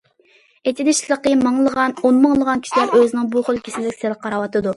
ئېچىنىشلىقى مىڭلىغان، ئونمىڭلىغان كىشىلەر ئۆزىنىڭ بۇ خىل كېسىلىگە سەل قاراۋاتىدۇ.